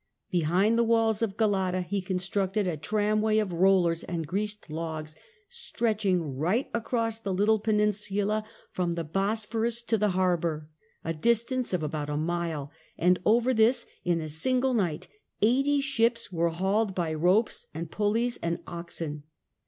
Behind the walls of Galata he constructed Mahomet's ..^ vessels a tramway of rollers and greased logs stretchmg right cross the across the Httle Peninsula from the Bosphorus to the ^^ harbour, a distance of about a mile ; and over this in a single night eighty ships were hauled by ropes and pulleys and oxen.